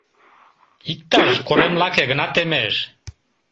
Иктаж корем лаке гына темеш.